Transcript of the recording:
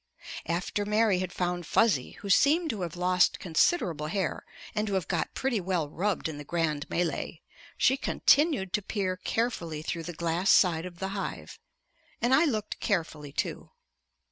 After Mary had found Fuzzy, who seemed to have lost considerable hair and to have got pretty well rubbed in the grand melée, she continued to peer carefully through the glass side of the hive. And I looked carefully too.